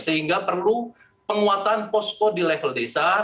sehingga perlu penguatan posko di level desa